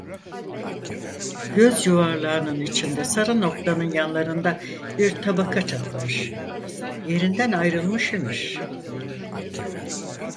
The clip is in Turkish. Göz yuvarlağının içinde, sarı noktanın yanlarında bir tabaka çatlamış, yerinden ayrılmış imiş.